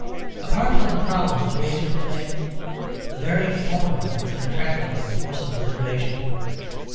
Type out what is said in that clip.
Apart from the problems raised in the play, the very form of it was an attractive and forcible innovation.